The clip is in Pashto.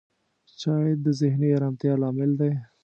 چای د ذهني آرامتیا لامل دی